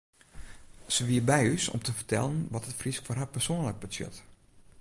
Se wie by ús om te fertellen wat it Frysk foar har persoanlik betsjut.